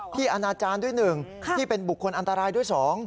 พี่อนาจารย์ด้วยหนึ่งพี่เป็นบุคคลอันตรายด้วยสอง